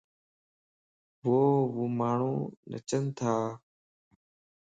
ووماڻھو نچن تا